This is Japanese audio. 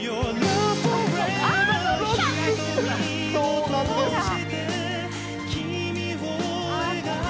そうなんです。